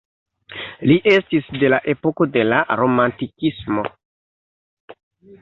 Li estis de la epoko de la Romantikismo.